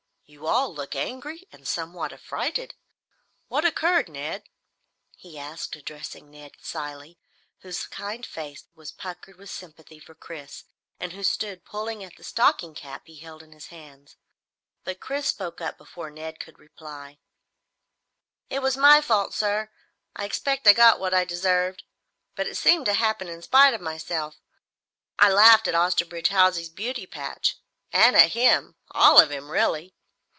You all look angry and somewhat a frighted. What occurred, Ned?" he asked, addressing Ned Cilley, whose kind face was puckered with sympathy for Chris and who stood pulling at the stocking cap he held in his hands. But Chris spoke up before Ned could reply. "It was my fault, sir. I expect I got what I deserved, but it seemed to happen in spite of myself. I laughed at Osterbridge Hawsey's beauty patch and at him all of him, really.